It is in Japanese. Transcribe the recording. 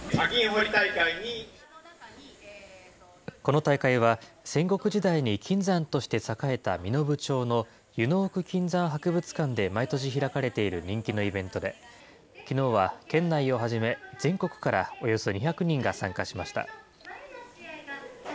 この大会は、戦国時代に金山として栄えた身延町の湯之奥金山博物館で毎年開かれている人気のイベントで、きのうは県内をはじめ、全国からおよそ２００人が参加しました。